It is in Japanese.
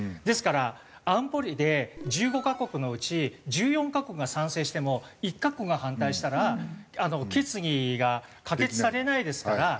ですから安保理で１５カ国のうち１４カ国が賛成しても１カ国が反対したら決議が可決されないですから。